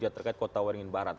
terkait kota waringin barat